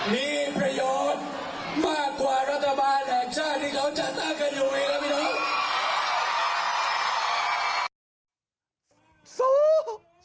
มีประโยชน์มากกว่ารัฐบาลแห่งชาติที่เขาจัดตั้งกันอยู่เองครับพี่น้อง